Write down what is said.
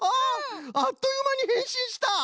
あっというまにへんしんした。